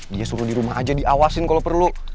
dia suruh di rumah aja diawasin kalau perlu